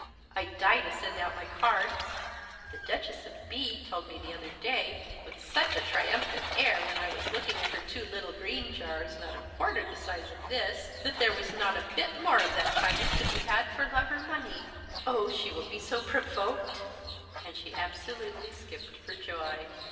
I die to send out my cards. The Duchess of B told me the other day, with such a triumphant air, when I was looking at her two little green jars, not a quarter the size of this, that there was not a bit more of that china to be had for love or money. Oh, she will be so provoked!" And she absolutely skipped for joy.